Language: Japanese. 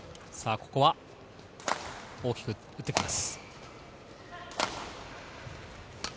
ここは大きく打ってきます。